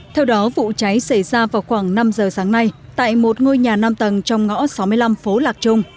theo đó vụ cháy xảy ra vào khoảng năm giờ sáng nay tại một ngôi nhà năm tầng trong ngõ sáu mươi năm phố lạc trung